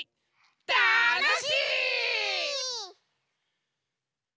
たのしい！